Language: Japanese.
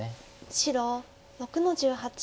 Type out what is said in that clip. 白６の十八。